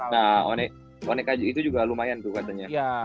nah boneka itu juga lumayan tuh katanya